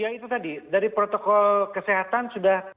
ya itu tadi dari protokol kesehatan sudah